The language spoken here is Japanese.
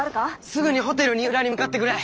すぐにホテル二浦に向かってくれ。